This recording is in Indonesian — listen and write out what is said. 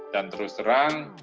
dan terus terang